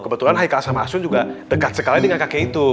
kebetulan haikal sama hasun juga dekat sekali dengan kakek itu